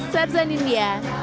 sarzan india jakarta